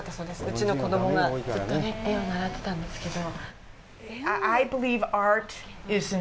うちの子供がずっとね、絵を習ってたんですけど。